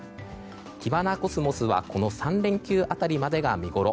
キバナコスモスはこの３連休辺りまでが見ごろ。